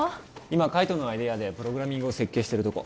今海斗のアイデアでプログラミングを設計してるとこ